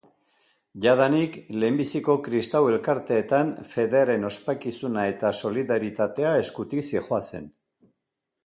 Jadanik, lehenbiziko kristau elkarteetan, fedearen ospakizuna eta solidaritatea eskutik zihoazen.